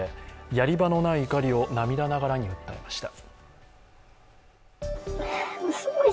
やり場のない怒りを涙ながらに訴えました。